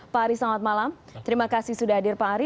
pak aris selamat malam terima kasih sudah hadir pak ari